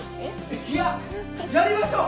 いややりましょう！